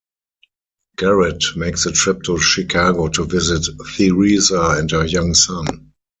Garret makes a trip to Chicago to visit Theresa and her young son.